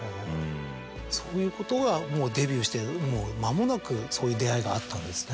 そういうことがもうデビューして間もなくそういう出会いがあったんですね。